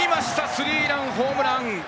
スリーランホームラン！